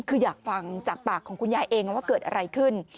คืออยากฟังจากปากของคุณยายเองว่าเกิดอะไรขึ้น